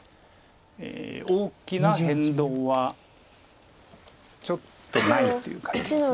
大きな変動はちょっとないっていう感じです。